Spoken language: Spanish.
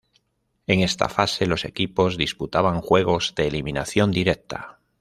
En esta fase, los equipos disputaban juegos de eliminación directa.